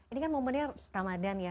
ini kan momennya ramadhan ya